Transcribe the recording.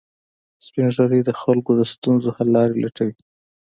سپین ږیری د خلکو د ستونزو حل لارې لټوي